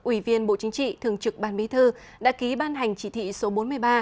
ủy viên bộ chính trị thường trực ban bí thư đã ký ban hành chỉ thị số bốn mươi ba